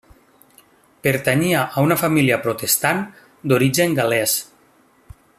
Pertanyia a una família protestant d'origen gal·lès.